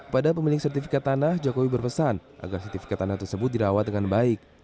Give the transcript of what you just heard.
pada pemilik sertifikat tanah jokowi berpesan agar sertifikat tanah tersebut dirawat dengan baik